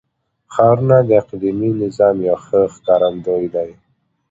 ښارونه د اقلیمي نظام یو ښه ښکارندوی دی.